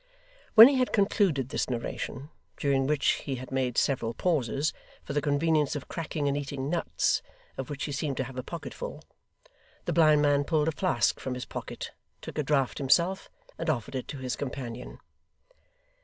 When he had concluded this narration, during which he had made several pauses, for the convenience of cracking and eating nuts, of which he seemed to have a pocketful, the blind man pulled a flask from his pocket, took a draught himself, and offered it to his companion.